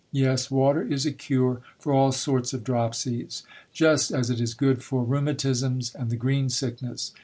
Yes, water is a cure for all sorts of dropsies, just as it is good for rheumatisms and the green sickness.